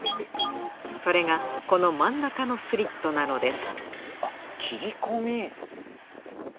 それがこの真ん中のスリットなのです